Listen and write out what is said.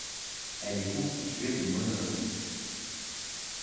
Elle est constituée de monologues.